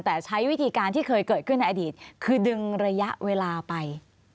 แต่ใช้วิธีการที่เคยเกิดขึ้นในอดีตคือดึงระยะเวลาไป